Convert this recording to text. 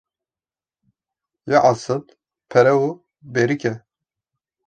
Yê esil pere û berîk e.